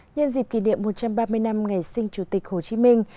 nhân dịp kỷ niệm một trăm ba mươi năm ngày sinh chủ tịch hồ chí minh